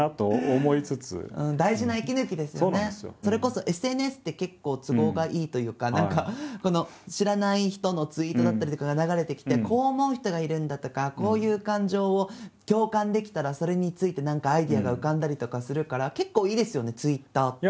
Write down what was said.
それこそＳＮＳって結構都合がいいというか何かこの知らない人のツイートだったりとかが流れてきてこう思う人がいるんだとかこういう感情を共感できたらそれについて何かアイデアが浮かんだりとかするから結構いいですよねＴｗｉｔｔｅｒって。